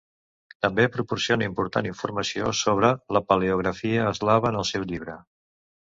També proporciona important informació sobre la paleografia eslava en el seu llibre.